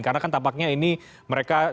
karena kan tampaknya ini mereka